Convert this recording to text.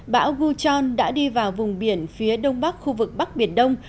bão guchon đã đi vào vùng biển phía đông bắc khu vực bắc biển đông